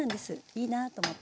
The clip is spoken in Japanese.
いいなと思って。